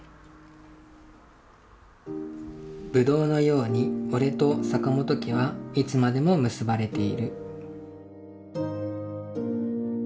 ブドウのように俺と坂本家はいつまでも結ばれている」。